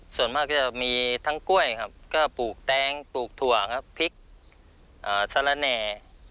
ส่วนมากจะมีทั้งกล้วยก็ปลูกแตงปลูกถั่วเพราะพริกสารแน่